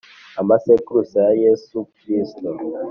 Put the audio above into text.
Amasekuruza ya Yesu Kristo